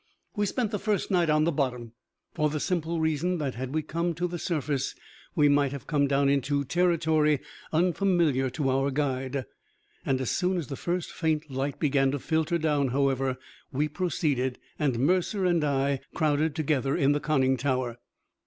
We spent the first night on the bottom, for the simple reason that had we come to the surface, we might have come down into territory unfamiliar to our guide. As soon as the first faint light began to filter down, however, we proceeded, and Mercer and I crowded together into the conning tower.